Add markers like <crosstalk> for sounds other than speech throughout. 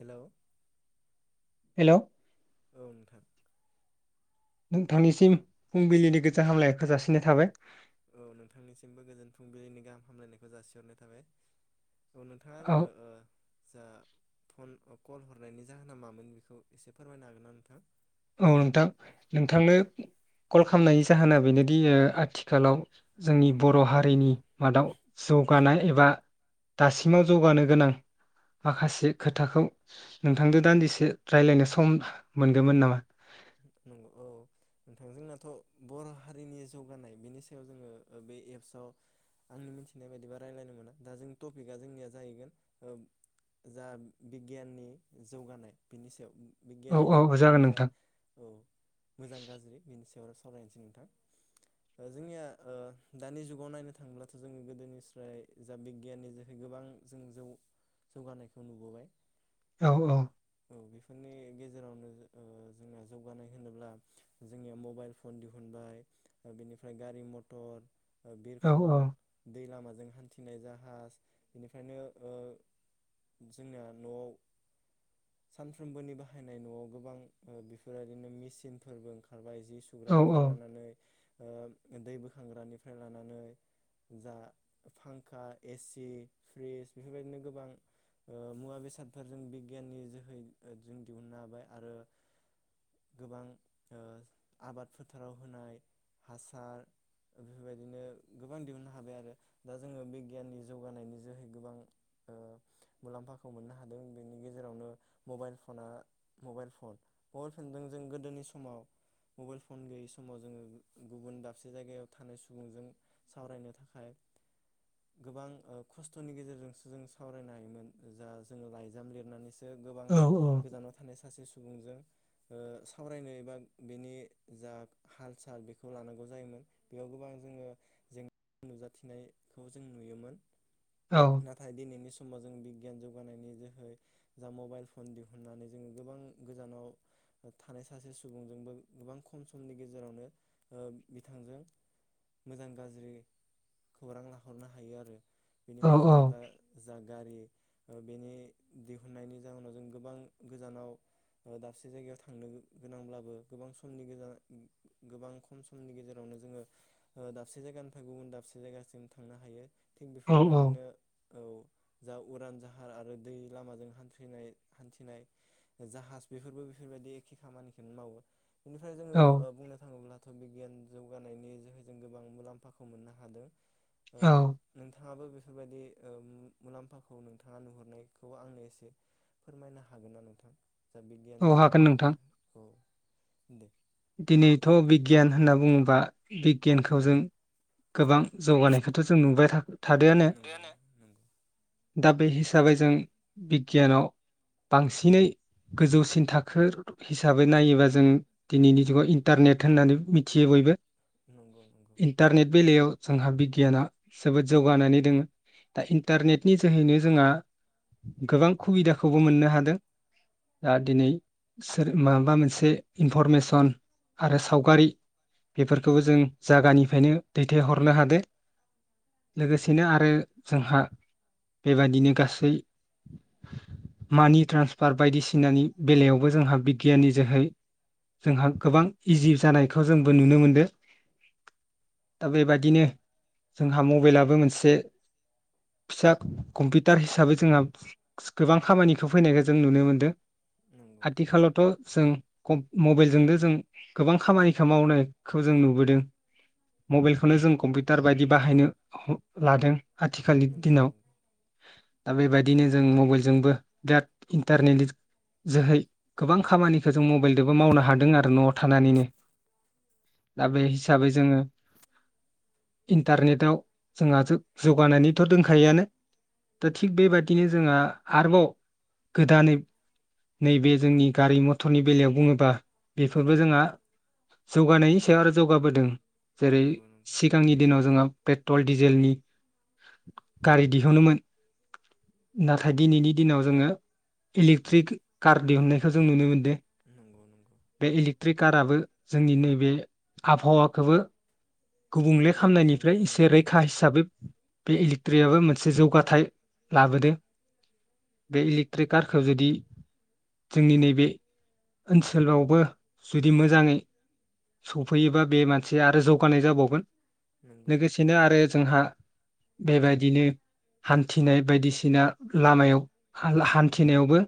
Hello hello औ नोंथां नोंथांनिसिम फुंबिलिनि गोजोन हामलायखौ जासिनाय थाबाय। औ नोंथांनिसिमबो गोजोन फुंबिलिनि गाहाम हामलायनायखौ जासिहरनाय थाबाय। औ नोंथाङा औ आंनो ओ जा फन कल हरनायनि जाहोना मामोन बेखौ एसे फोरमायनो हागोन ना नोंथां? औ नोंथां नोंथांनो कल खामनायनि जाहोना बेनोदि ओ आथिखालाव जोंनि बर' हारिनि मादाव जौगानाय एबा दासिमाव जौगानो गोनां माखासे खोथाखौ नोंथांजों दान्दिसे रायलायनो सम मोनगौमोन नामा? नंगौ औ। नोंथां जोंनाथ' बर' हारिनि जौगानाय बेनि सायाव जोङो ओ बे एप्सआव आंनि मिथिनाय बायदिबा रायलायनो मोना दा जोंनि टपिकआ जोंनिया जाहैगोन ओ जा बिगियाननि जौगानाय बिनि सायाव औ बिगियाननि औ जागोन जौगानायनि जा नोंथां औ मोजां गाज्रि बेनि सायाव सावरायनोसै नोंथां। ओ जोंनिया ओ दानि जुगाव नायनो थांब्लाथ' जोङो गोदोनिफ्राय जा बिगियाननि जे गोबां जों जौ जौगानायखौ नुबोबाय। औ औ औ बेफोरनि गेजेरावनो ओ जोङो जौगानाय होनोब्ला जोंनिया मबाइल फन दिहुनबाय। बेनिफ्राय गारि मटर ओ औ बिरखं दै लामाजों हान्थिनो जाहाज बेनिफायनो ओ जोंना न'आव सानफ्रोमबोनि बाहायनाय न'आव गोबां ओ बि बेबादिनो मेचिनफोरबो ओंखारबाय जि औ सुग्रानिफ्राय लानानै ओ दै बोखांग्रानिफ्राय लानानै जा फांखा, एसि, फ्रिज, बेफोरबायदिनो गोबां ओ मुवा बेसादफोरजों बिगियाननि जोहै जों दिहुननो हाबाय आरो गोबां ओ आबाद फोथाराव होनाय हासार बेफोर बायदिनो गोबां दिहुननो हाबाय आरो दा जोङो बिगियाननि जौगानायनि जोहै गोबां ओ मुलाम्फाखौ मोननो हादों बेनि गेजेरावनो मबाइल पना मबाइल पन होनदों जों गोदोनि समाव मबाइल फन गैयै समाव जोङो गुबुन दाबसे जायगायाव थानाय सुबुंजों सावरायनो थाखाय गोबां ओ खस्थ'नि गेजेरजोंसो जों सावरायनो हायोमोन जा जोङो लाइजाम लिरनानैसो ओ‌ गोबां औ गोजानाव थानाय सासे सुबुंजों ओ सावरायनो एबा बेनि जा हाल साल बेखौ लानांगौ जायोमोन। बेयाव गोबां जोङो जेंना नुजाथिनायखौ जों नुयोमोन। औ। नाथाय दिनैनि समाव जों बिगियान जौगानायनि जोहै जा मबाइल फन दिहुननानै जोङो गोबां गोजानाव थानाय सासे सुबुंजोंबो गोबां खम समनि गेजेरावनो बिथांजों मोजां गाज्रि खौरां लाहरनो हायो आरो औ बेनिफ्राय जोंना दा जा गारि बेनि दिहुननायनि जाहोनाव जों गोबां गोजानाव दाबसे जायगायाव था थांनो गोनांब्लाबो गोबां समनि गेजेरा गोबां गोबां खम समनि गेजेरावनो जोङो ओ दाबसे जायगानिफ्राय गुबुन दाबसे जायगासिम थांनो हायो थिग औ बेफोरबायदिनो औ जा उरान जाहार आरो दै लामाजों हान्थिनाय हान्थिनाय जाहाज बेफोरबो बेफोरबायदि एखे खामानिखोनो मावो बेनिफ्राय औ जोङो बुंनो थाङोब्ला थ' बिगियान जौगानायनि जोहैजों गोबां मुलाम्फाखौ मोननो हादों ओ नोंथाङाबो बेफोरबायदि ओ मुलाम्फाखौ नोंथाङा नुहुरनायखौ आंनो एसे फोरमायनो हागोनना नोंथां दा बिगियान औ हागोन जौगानायनि नोंथां जाहोनखौ दे दिनैथ' बिगियान होनना बुङोब्ला बिगियानखौ जों गोबां जौगानायखौथ' जों नुबाय थाख नोंगौ नोंगौ <unintelligible> दा बे हिसाबै जों बिगियानाव बांसिनै गोजौसिन थाखो हिसाबै नायोबा जों दिनैनि जुगाव इन्टारनेट होननानै मिथियो बयबो नंगौ नंगौ। दारनेट बेलायाव जोंहा बिगियाना जोबोद जौगानानै दोङो। दा इन्टारनेटनि जोहैनो जोंहा गोबां सुबिदाखौबो मोननो हादों। दा दिनै सोर माबा मोनसे इनफरमेसन सन आरो सावगारि बेफोरखौबो जों जायागानिफ्रायनो दैथायहरनो हादों। लोगोसेनो आरो जोंहा बेबादिनो गासै मानि ट्रान्सफार बायदिसिनानि बेलायावबो जोंहा बिगियाननि जोहै जोंहा गोबां इजि जानायखौ जोंबो नुनो मोनदों। दा बेबायदिनो जोंहा मबाइलाबो मोनसे फिसा कम्पिउटार हिसाबै जोंहा गोबां खामानिखौ फैनायखौ जों नुनो मोनदों। नंगौ आथिखालावथ' जों मबाइलजोंनो जों गोबां खामानिखौ मावनायखौ जों नुबोदों। मबाइलखौनो जों कम्पिउटार बायदि बाहायनो लादों आथिखालनि नंगौ नंगौ दिनाव। नंगौ दा बेबायदिनो जों मबाइलजोंबो बिराद इन्टारनेटनि जोहै गोबां खामानिखौ जों मबाइलजोंबो मावनो हादों आरो न'आव थानानैनो औ दा बे औ हिसाबै जोङो इन्टारनेटाव जोंहा जौगानायनिथ' दोनखायोआनो दा थिग बेबायदिनो जोंहा आरोबाव गोदानैब नैबे जोंनि गारि मथरनि बेलायाव बुङोबा बेफोरबो जोंहा जौगानायनि सायाव आरो जौगाबोदों। जेरै नंगौ नंगौ सिगांनि दिनाव जोंहा पेट्रल डिजेलनि गारि दिहुनोमोन। दिनैनि जोङो इलेक्ट्रिक कार दिहुननायखौ जों नुनो मोनदों। नंगौ नंगौ बे इलेक्ट्रिक काराबो जोंनि नैबे आबहावाखौबो। गुबुंले औ गुबुंले खामनायनिफ्राय एसे जानायनिफ्राय रैखा औ हिसाबै बे इलेक्ट्रियाबो मोनसे जौगाथाइ लाबोदों। बे इलेकट्रिक कारखौ जुदि। जोंनि नैबे ओनसोलावबो जुदि मोजाङै। सफैयोबा बे मानसिया आरो जौगानाय जाबावगोन नंगौ लोगोसेनो आरो जोंहा। बेबायदिनो हान्थिनाय बायदिसिना लामायाव हा हान्थिनायावबो।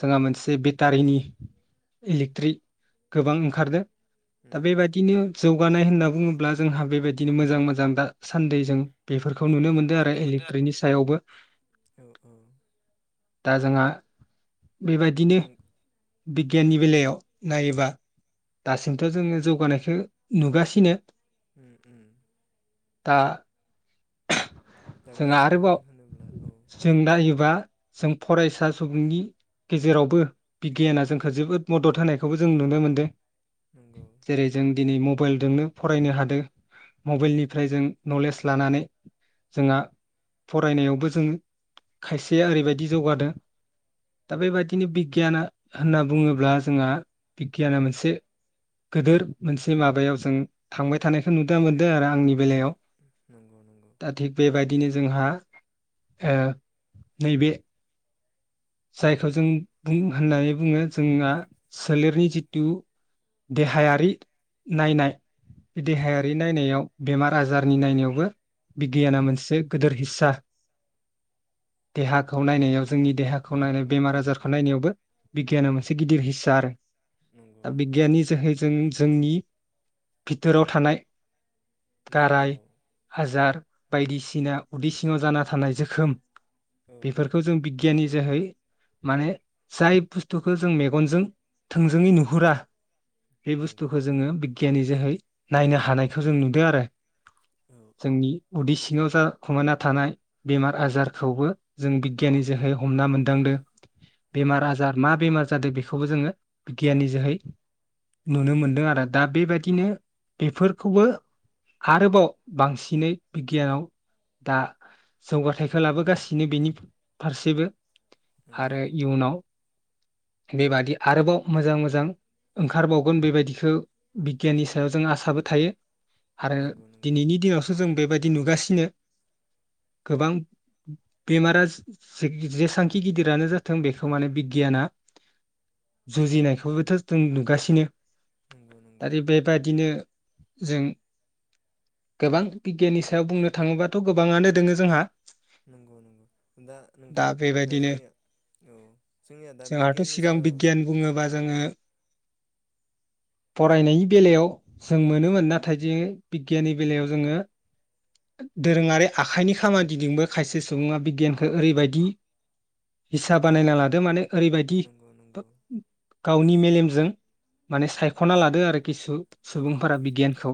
जोंहा मोनसे बेटारिनि इलेक्ट्रिक गोबां ओंखारदों। दा नंगौ बेबायदिनो जौगानाय होनना बुङोब्ला जोंहा बेबायदिनो मोजां मोजां दा। सान्दै जों बेफोरखौ नुनो मोनदों आरो इलेक्ट्रिकनि सायावबो। औ औ दा जोंहा बेबायदिनो। नों बिगियाननि बेलायाव नायोबा। दासिमथ' जोङो जौगानायखौ नुगासिनो। उम उम। दा दा जोंहा गाज्रि आरोबाव गोहोम होनोब्ला औ जों नायोबा जों फरायसा सुबुंनि। गेजेरावबो बिगियाना जोंखौ जोबोद मदद होनायखौबो जों नुनो मोन्दों। नंगौ जों दिनै मबाइलजोंनो फरायनो हादों मबाइलनिफ्राय जों नलेज लानानै। जोंहा फरायनायावबो जों खायसेया ओरैबायदि जौगादों। दा बेबायदिनो बिगियाना होनना बुङोब्ला जोंहा बिगियाना मोनसे। गोदोर मोनसे माबायाव जों थांबाय थानायखौ नुनो मोनदों आरो आंनि। उम बेलायाव उम नंगौ नंगौ। दा थिग बेबायदिनो जोंहा ओ नैबे। जायखौ जों बुं होननानै बुङो जोंना सोलेरनि जिहेथु। देहायारि नायनाय। बे नंगौ देहायारि नंगौ नायनायाव बेमार आजारनि नायनायावबो बिगियाना नंगौ मोनसे। गोदोर हिसा देहाखौ नायनायाव जोंनि। खौ नायनो नंगौ बेमार नंगौ आजारखौ नंगौ नायनायावबो। बिगियाना मोनसे गिदिर हिस्सार नंगौ दा नंगौ बिगियाननि जोहै। जों जोंनि बिथोराव थानाय जा औ गाराय। हाजार बायदिसिना उदै सिङाव जाना थानाय जोखोम औ औ बेफोरखौ जों बि बिगियानि जोहै माने जाय बुस्थुखौ जों मेगनजों थोंजोङै नुहुरा बे नंगौ बुस्थुखौ जोङो बिगियनि जोहै नायनो हानायखौ जों नुदों आरो औ औ जोंनि उदै सिङाव जाखुमाना थानाय बेमार आजारखौबो जों बिगियनि जोहै। हमना मोनदांदों नंगौ बेमार आजार मा बेमार जादों बेखौबो जोङो बिगियाननि जोहै। नुनो मोनदों आरो दा बेबायदिनो बेफोरखौबो। आरोबाव बांसिनै बिगियानाव दा। जौगाथायखौ लाबोगासिनो बेनि फारसेबो। नंगौ नंगौ आरो इयुनाव बेबादि आरोबाव मोजां मोजां। ओंखारबावगोन बेबायदिखो बिगियाननि सायाव जों आसाबो थाहयो। आरो नंगौ नंगौ दिनैनि दिनावसो जों बेबायदि नुगासिनो। गोबां बेमारा। जेसांखि गिदिरानो जाथों बेखौ माने बिगियाना। जुजिनायखौबोथ' जों नुगासिनो नंगौ नंगौ दा दि बे। बादिनो जों गोबां बिगियाननि सायाव बुंनो थाङोबाथ' गोबाङानो दोङो जोंहा नोंगौ नोंगौ दा नोंथां दा जोंनिया औ जोंनिया दा जोंहाथ' बिगियाननि सिगां सायाव बिगियान बुङोबा जोङो फरायनायनि बेलायाव जों मोनोमोन नाथाय जों बिगियाननि बेलायाव जोंङो दोरोङारि आखाइनि खामानि दिदोंबो खायसे सुबुङा बिगियानखौ ओरैबायदि हिस्सा बानायना लादो माने ओरैबायदि नंगौ नंगौ गावनि मेलेमजों माने सायख'ना लादो आरो खिसु औ औ सुबुंफोरा बिगियानखौ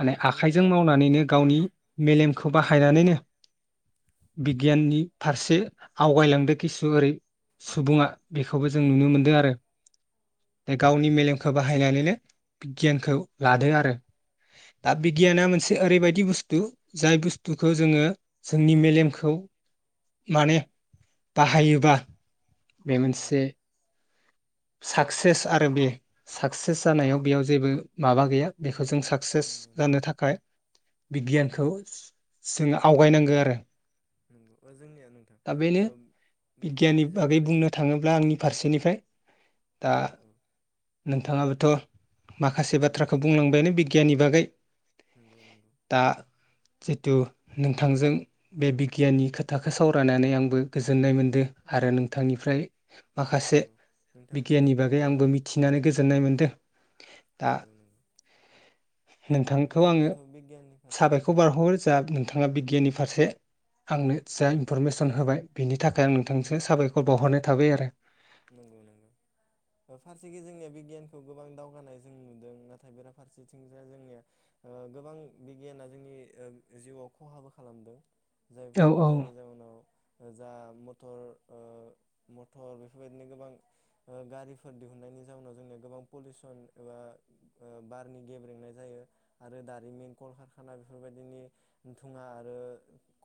औ जोंनिया आखाइजों दा मावनानैनो गावनि मेलेमखौ बाहायनानैनो बिगियाननि फारसे आवगायलांदों खिसु ओरै सुबुङा बेखौबो जों नुनो नंगौ मोनदों नंगौ आरो। जे गावनि मेलेमखौ बाहायनानैनो गियानखौ लादों आरो। आब नंगौ बिगियाना मोनसे ओरैबायदि बुस्थु जाय बुस्थुखौ जोङो जोंनि मेलेमखौ माने बाहायोबा बे औ औ मोनसे साक्सेस आरो बे साक्सेस जानायाव नंगौ बेयाव जेबो माबा गैया बेखौ जों सा साक्सेस नंगौ जानो नंगौ थाखाय बिगियानखौ जों आवगायनांगो आरो। नंगौ ओ जोंनिया नोंथां दा बेनो ओ बिगियाननि बागै जौगानाय बुंनो औ थाङोब्ला आंनि फारसेनिफ्राय दा औ नोंथाङाबोथ' माखासे औ बि बाथ्राखौ बुंलांबायानो बिगियाननि बागै। नोंगौ नोंगौ दा जिथु नोंथांजों बे बिगियाननि खोथाखो सावरायनानै आंबो गोजोननाय मोनदो नोंथांनिफ्राय माखासे नंगौ नोंथां बिगियाननि बागै ओ आंबो मिथिनानै गोजोननाय मोन्दो। दा नंगौ नंगौ नोंथांखौ आङो जोंनियाथ' बिगियाननि फारसे साबायखर नोंथां बावहरो। जा नोंथाङा बिगियाननि फारसे आंनो जा इनफरमेसन होबाय। बेनि थाखाय नोंथांनिसो साबायखर बावहरनाय थाबाय आरो। नंगौ नंगौ ओ फारसेखै जोंनिया बिगियानखौ गोबां दावगानाय जों नुदों नाथाय बेराफारसेथिं जाय जोंनिया ओ गोबां बिगियाना जोंनि जिउआव खहाबो खालामदों औ औ जाय-जायनि जाहोनाव जा मटर ओ मटर बेफोरबायदिनो गोबां ओ गारिफोर दिहुननायनि जाउनाव जोंनिया गोबां पलिउसन एबा ओ बारनि गेब्रेंनाय जायो आरो दारिमिन कलकारखाना बेफोरबायदिनि थुङा आरो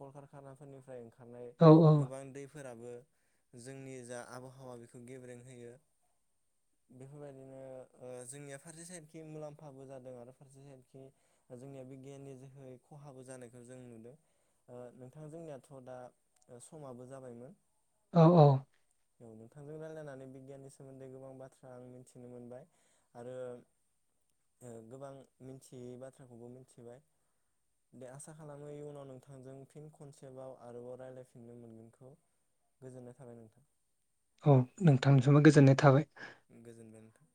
कलकारखानाफोरनिफ्राय ओं खारनाय औ औ गोबां दैफोराबो जोंनि जा आबहावा बेखौ गेब्रें होयो। एफोरबायदिनो ओ जोंनिया फारसे साइडखि मुलाम्फाबो जादों आरो फारसे साइडखि जोंनिया बिगियाननि जोहै खहाबो जानायखौ जों नुदों। ओ नोंथां जोंनियाथ' दा समाबो जाबायमोन। औ औ औ नोंथांजों रायलायनानै बिगियाननि सोमोन्दै गोबां बाथ्रा आं मिथिनो मोनबाय आरो ओ गोबां मिनथियै बाथ्राखौबो मिनथिबाय। दे आसा खालामो इयुनाव नोंथांजों फिन कनसेबा आरोबाव रायलायफिननो मोनगोनखौ। गोजोननाय थाबाय नोंथां। औ नोंथां जोबोद गोजोननाय थाबाय। उम गोजोनबाय नोंथां।